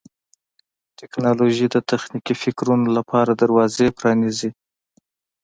ټیکنالوژي د تخلیقي فکرونو لپاره دروازې پرانیزي.